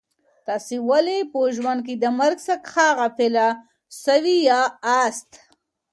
تاسي ولي په ژوند کي د مرګ څخه غافله سواست؟